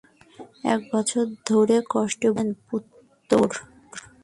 এক বছর ধরে কষ্টে ভুগতেছে, পুত্তর!